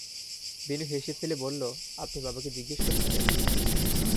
বিনু হেসে ফেলে বলল, আপনি বাবাকে জিজ্ঞেস করছেন কেন?